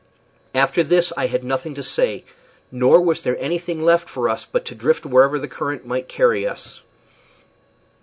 After this I had nothing to say, nor was there anything left for us but to drift wherever the current might carry us.